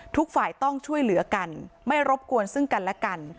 ทุกฝ่ายต้องช่วยเหลือกันไม่รบกวนซึ่งกันและกัน